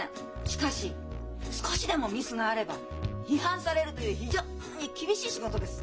しかし少しでもミスがあれば批判されるという非常に厳しい仕事です！